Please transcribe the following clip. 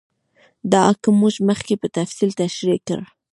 دا حکم موږ مخکې په تفصیل تشرېح کړ.